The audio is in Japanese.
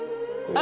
あ。